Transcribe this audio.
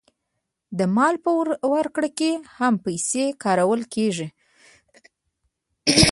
د مال په ورکړه کې هم پیسې کارول کېږي